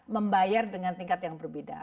membayar dengan tingkat yang berbeda